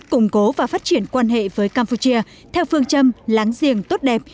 củng cố và phát triển quan hệ với campuchia theo phương châm láng giềng tốt đẹp